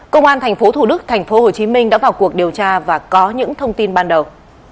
công an tp thủ đức tp hcm đã vào cuộc điều tra và có những thông tin ban đầu